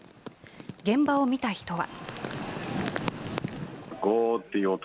現場を見た人は。